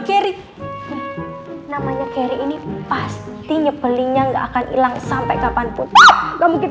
geri namanya geri ini pasti nyebelinnya nggak akan hilang sampai kapanpun kamu